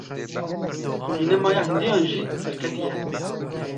Sînemaya Hindiyan jî serketî ye.